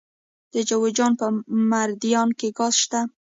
د جوزجان په مردیان کې ګاز شته.